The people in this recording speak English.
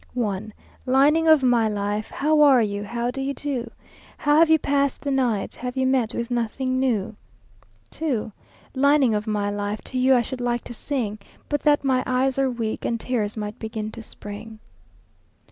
1. Lining of my life! How are you? how do you do? How have you passed the night? Have you met with nothing new? 2. Lining of my life! To you I should like to sing; But that my eyes are weak, And tears might begin to spring.